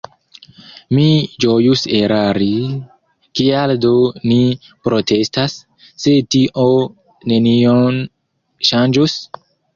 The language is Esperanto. Mi ĝojus erari … Kial do ni protestas, se tio nenion ŝanĝos?